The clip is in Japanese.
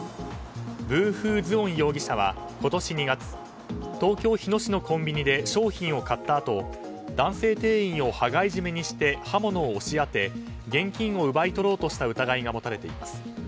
ヴー・フー・ズオン容疑者は今年２月東京・日野市のコンビニで商品を買ったあと男性店員を羽交い締めにして刃物を押し当て現金を奪い取ろうとした疑いが持たれています。